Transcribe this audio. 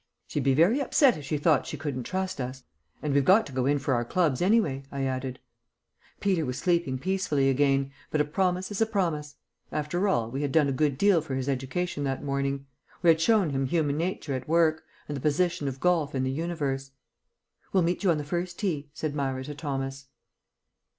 "She'd be very upset if she thought she couldn't trust us. And we've got to go in for our clubs, anyway," I added. Peter was sleeping peacefully again, but a promise is a promise. After all, we had done a good deal for his education that morning. We had shown him human nature at work, and the position of golf in the universe. "We'll meet you on the first tee," said Myra to Thomas.